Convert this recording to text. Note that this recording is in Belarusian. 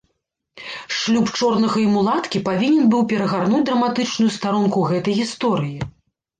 Шлюб чорнага і мулаткі павінен быў перагарнуць драматычную старонку гэтай гісторыі.